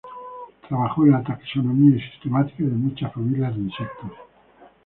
Trabajó en la taxonomía y sistemática de muchas familias de insectos.